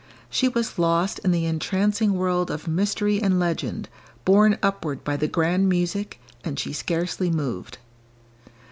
She was lost in the entrancing world of mystery and legend borne upward by the grand music, and she scarcely moved.